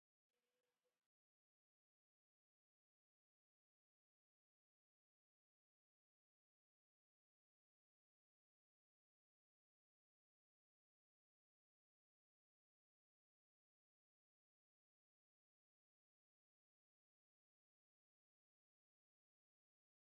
Calton has the lowest male life expectancy in Scotland.